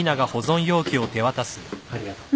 ありがとう。